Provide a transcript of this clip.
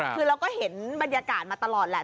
คือเราก็เห็นบรรยากาศมาตลอดแหละ